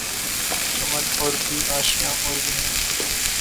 چمن اور بھی آشیاں اور بھی ہیں